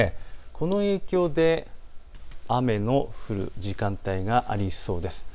この影響で雨の降る時間帯がありそうです。